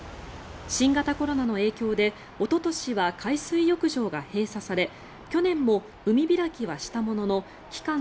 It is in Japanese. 新型コロナの影響でおととしは海水浴場が閉鎖され去年も海開きはしたものの期間